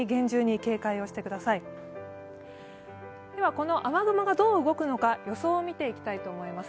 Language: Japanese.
この雨雲がどう動くのか予想を見ていきたいと思います。